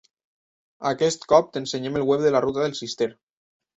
Aquest cop t'ensenyem el web de la Ruta del Cister.